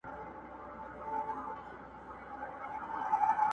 پر بل مخ سوه هنګامه په یوه آن کي.!